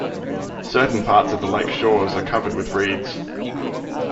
Certain parts on the lake shores are covered with reeds.